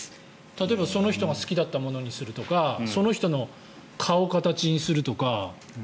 例えば、その人が好きだったものにするとかその人の顔形。